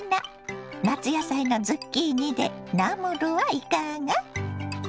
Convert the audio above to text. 夏野菜のズッキーニでナムルはいかが。